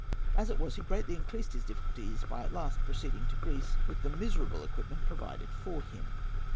As it was, he greatly increased his difficulties by at last proceeding to Greece with the miserable equipment provided for him.